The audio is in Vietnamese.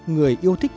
người yêu thích